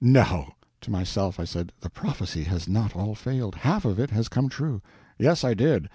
"No!" (To myself I said, "The prophecy has not all failed—half of it has come true.") "Yes, I did.